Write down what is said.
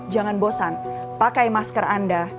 jangan bosan pakai masker anda